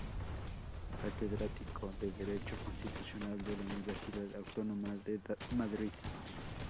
Catedrático de Derecho Constitucional de la Universidad Autónoma de Madrid.